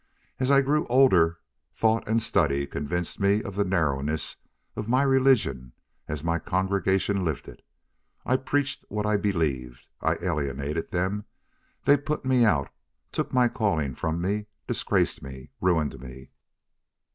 As I grew older thought and study convinced me of the narrowness of religion as my congregation lived it. I preached what I believed. I alienated them. They put me out, took my calling from me, disgraced me, ruined me."